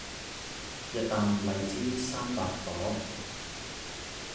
日啖荔枝三百顆